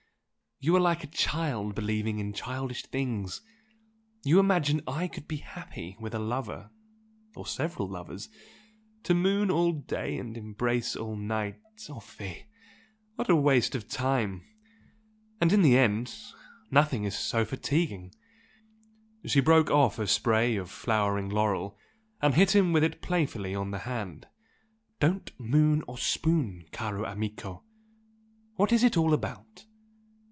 You are like a child believing in childish things! You imagine I could be happy with a lover or several lovers! To moon all day and embrace all night! Oh fie! What a waste of time! And in the end nothing is so fatiguing!" She broke off a spray of flowering laurel and hit him with it playfully on the hand. "Don't moon or spoon, caro amico! What is it all about?